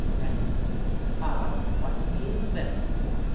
FRIEND. Ha! what means this?